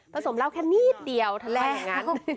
ผสมเหล้าแค่นิดเดียวแท้แรกงั้น